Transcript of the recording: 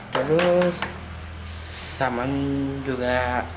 terus saman juga